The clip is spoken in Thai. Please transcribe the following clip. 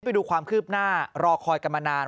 ไปดูความคืบหน้ารอคอยกันมานาน